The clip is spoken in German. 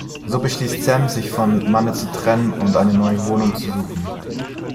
So beschließt Sam, sich von Manne zu trennen und eine neue Wohnung zu suchen.